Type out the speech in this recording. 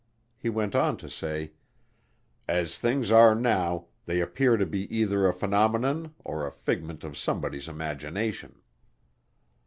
He went on to say, "As things are now, they appear to be either a phenomenon or a figment of somebody's imagination."